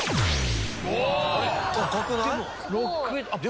高くない？